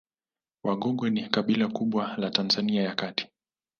Wagogo ni kabila kubwa la Tanzania ya kati